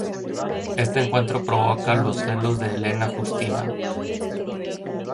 Este encuentro provoca los celos de Helena Justina.